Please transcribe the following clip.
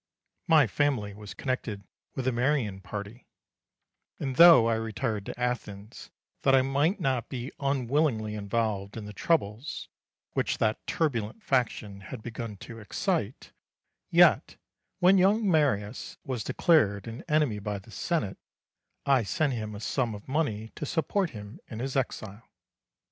My family was connected with the Marian party; and, though I retired to Athens that I might not be unwillingly involved in the troubles which that turbulent faction had begun to excite, yet when young Marius was declared an enemy by the Senate, I sent him a sum of money to support him in his exile.